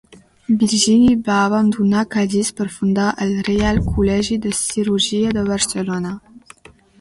Virgili va abandonar Cadis per fundar el Reial Col·legi de Cirurgia de Barcelona.